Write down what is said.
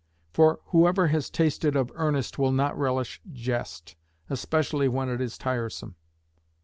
For whoever has tasted of earnest will not relish jest, especially when it is tiresome.